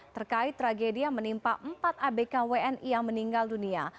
terkait tragedia menimpa empat abk wni yang meninggal dunia